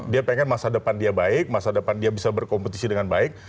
dia pengen masa depan dia baik masa depan dia bisa berkompetisi dengan baik